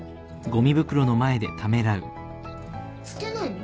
捨てないの？